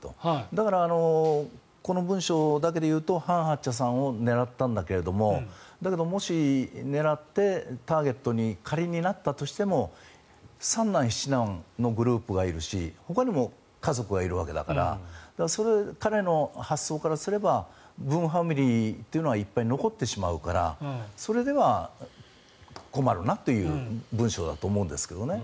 だから、この文書だけで言うとハン・ハクチャさんを狙ったんだけれどもだけど、もし狙ってターゲットに仮になったとしても三男、七男のグループがいるしほかにも家族がいるわけだから彼の発想からすればブンファミリーっていうのはいっぱい残ってしまうからそれでは困るなという文書だと思うんですね。